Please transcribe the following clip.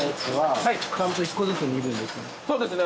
そうですね。